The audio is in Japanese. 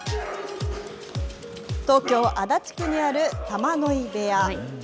東京・足立区にある玉ノ井部屋。